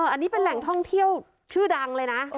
อันนี้เป็นแหล่งท่องเที่ยวชื่อดังเลยนะ